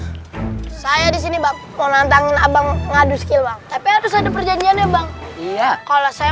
hai saya disini bakulantang abang ngadu skill tapi harus ada perjanjian ya bang iya kalau saya